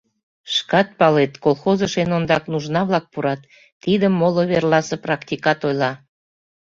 Шкат палет, колхозыш эн ондак нужна-влак пурат — тидым моло верласе практикат ойла.